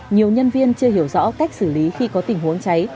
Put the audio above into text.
nhiều nhân viên chưa hiểu rõ cách xử lý khi có tình huống cháy